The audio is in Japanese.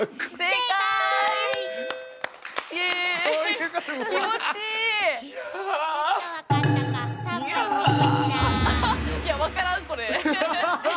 いや分からんこれ。